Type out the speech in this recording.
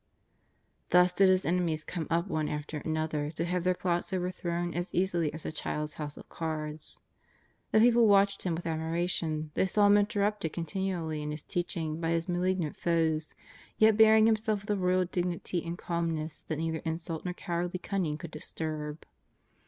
Thus did His enemies come up one after another, to have their plots overthroA^Ti as easily as a child's house of cards. The people watched Him with admiration. They saw Him interrupted continually in His teaching by His malignant foes, yet bearing Himself with a royal dignity and calmness that neither insult nor cowardly cunning could disturb.